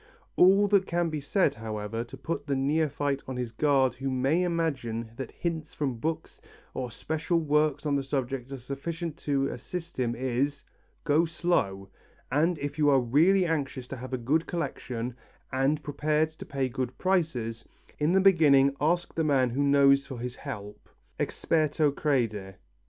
All that can be said, however, to put the neophyte on his guard who may imagine that hints from books or special works on the subject are sufficient to assist him, is: Go slow, and if you are really anxious to have a good collection and prepared to pay good prices, in the beginning ask the man who knows for his help Experto crede.